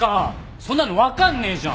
そんなの分かんねえじゃん！